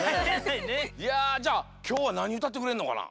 いやじゃあきょうはなにうたってくれるのかな？